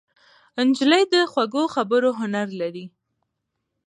نجلۍ د خوږو خبرو هنر لري.